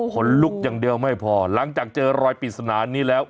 คนลุกอย่างเดียวไม่พอหลังจากเจอรอยปริศนานี้แล้ว